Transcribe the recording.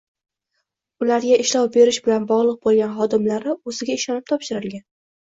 ularga ishlov berish bilan bog‘liq bo‘lgan xodimlari o‘ziga ishonib topshirilgan